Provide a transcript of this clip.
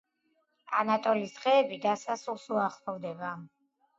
ანატოლის დღეები დასასრულს უახლოვდება.